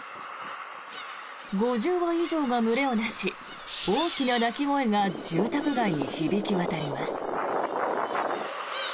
５０羽以上が群れを成し大きな鳴き声が住宅街に響き渡ります。